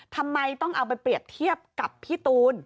ทำไมต้องเอาไปเปรียบเทียบกับพี่ตูน